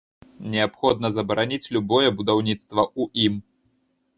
Неабходна забараніць любое будаўніцтва ў ім.